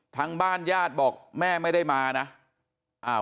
ทางบ้านญาติบอกแม่ไม่ได้มานะ